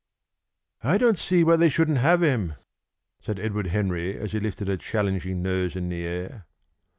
"I don't see why they shouldn't have him," said Edward Henry, as he lifted a challenging nose in the air.